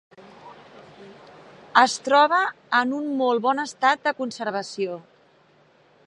Es troba en un molt bon estat de conservació.